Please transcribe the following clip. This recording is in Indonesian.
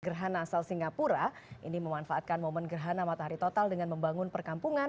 gerhana asal singapura ini memanfaatkan momen gerhana matahari total dengan membangun perkampungan